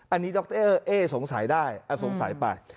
อันนี้ดรเอ๊สงสัยได้สงสัยไป